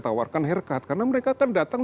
tawarkan haircut karena mereka kan datang